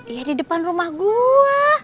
iya di depan rumah gua